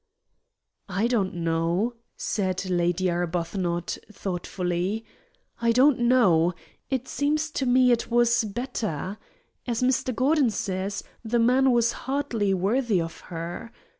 "I don't know," said Lady Arbuthnot, thoughtfully "I don't know; it seems to me it was better. As Mr. Gordon says, the man was hardly worthy of her.